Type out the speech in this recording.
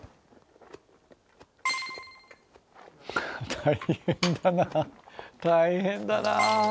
大変だな大変だな。